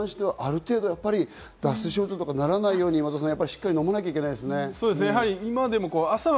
飲み水に関しては、ある程度脱水症状にならないように、しっかり飲まないといけないですね。